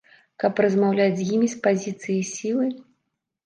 Каб размаўляць з імі з пазіцыі сілы?